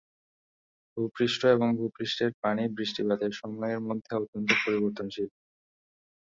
ভূপৃষ্ঠ এবং ভূপৃষ্ঠের পানি বৃষ্টিপাতের সময়ের মধ্যে অত্যন্ত পরিবর্তনশীল।